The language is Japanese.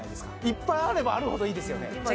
いっぱいあればあるほどいいですよね